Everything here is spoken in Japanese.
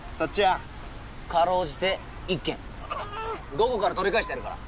午後から取り返してやるから！